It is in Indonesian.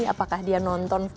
apakah dia nonton